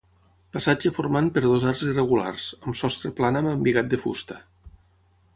Passatge formant per dos arcs irregulars, amb sostre plana amb embigat de fusta.